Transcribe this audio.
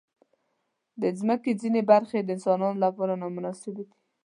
د مځکې ځینې برخې د انسانانو لپاره نامناسبې دي.